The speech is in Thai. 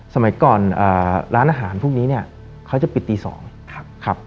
สมัยก่อนร้านอาหารพวกนี้เนี่ยเขาจะปิดตี๒ครับ